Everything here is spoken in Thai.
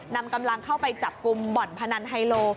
นำกำลังเข้าไปจับกลุ่มบ่อนพนันไฮโล